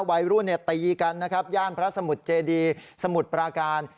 วัยรุ่นตีกันนะครับย่านพระสมุทรเจดีสมุทรปราการ